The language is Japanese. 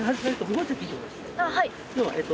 はい。